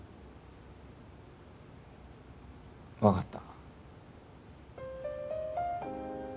わかった。